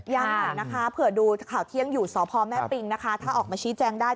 ยังนะคะเผื่อดูข่าวเที่ยงอยู่สพแม่ปิงนะคะถ้าออกมาชี้แจงได้